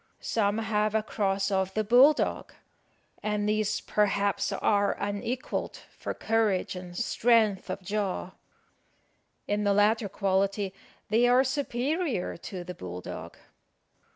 Some have a cross of the bull dog; and these, perhaps, are unequalled for courage and strength of jaw. In the latter quality they are superior to the bull dog.